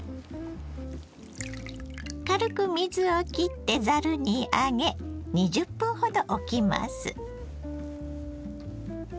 軽く水をきってざるに上げ２０分ほどおきます。